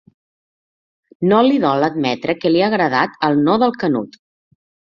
No li dol admetre que li ha agradat el no del Canut.